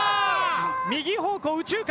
右方向右中間！